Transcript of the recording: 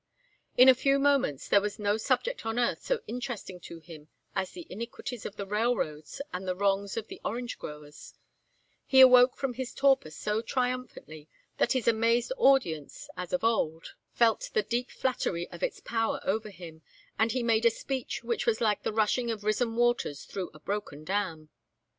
In a few moments there was no subject on earth so interesting to him as the iniquities of the railroads and the wrongs of the orange growers; he awoke from his torpor so triumphantly that his amazed audience, as of old, felt the deep flattery of its power over him, and he made a speech which was like the rushing of risen waters through a broken dam.